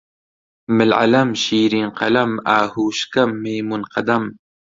مل عەلەم، شیرین قەلەم، ئاهوو شکەم، مەیموون قەدەم